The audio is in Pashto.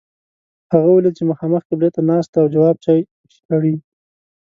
هغه ولید چې مخامخ قبلې ته ناست دی او جواب چای شړي.